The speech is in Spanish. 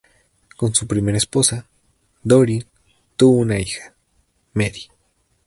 Con su primera esposa, Doreen, tuvo una hija, Mary.